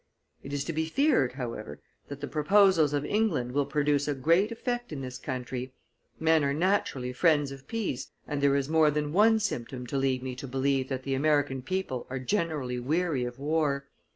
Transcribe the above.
It is to be feared, however, that the proposals of England will produce a great effect in this country. Men are naturally friends of peace, and there is more than one symptom to lead me to believe that the American people are generally weary of war.